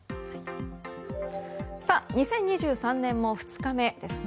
２０２３年も２日目ですね。